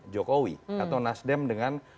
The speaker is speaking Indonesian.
jokowi atau nasdem dengan